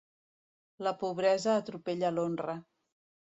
La pobresa atropella l'honra.